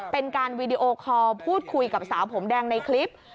เป็นการวีดีโอคอลพูดคุยกับสาวผมแดงในคลิป